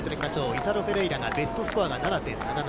イタロ・フェレイラがベストスコアが７．７７。